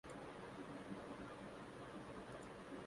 میں Bill Gates کی مثال دیتا ہوں۔